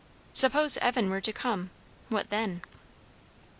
Suppose Evan were to come? What then?